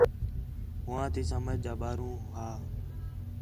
ہوآں تی سمجھ آ ٻاہروں ہا